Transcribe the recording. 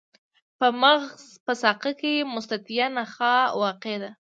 په مغز په ساقه کې مستطیله نخاع واقع ده.